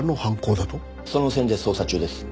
その線で捜査中です。